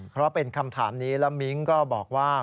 เพราะเป็นคำถามนี้แล้วมิ้งก็บอกว่า